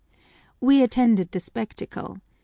"We attended the spectacle.